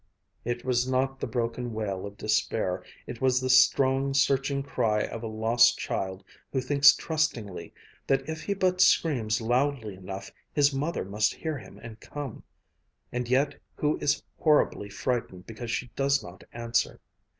It was not the broken wail of despair; it was the strong, searching cry of a lost child who thinks trustingly that if he but screams loudly enough his mother must hear him and come and yet who is horribly frightened because she does not answer.